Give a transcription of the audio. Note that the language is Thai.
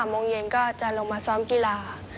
โมงเย็นก็จะลงมาซ้อมกีฬา